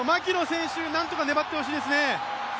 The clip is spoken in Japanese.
牧野選手、何とか粘ってほしいですね。